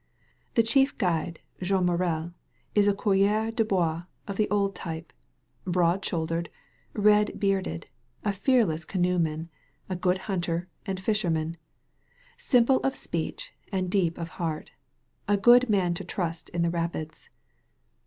The chief guide, Jean Morel, is a coureur de bois of the old type — broad shouldered, red bearded, a fearless canoeman, a good hunter and fisherman — simple of speech and deep of heart: a good man to trust in the rapids.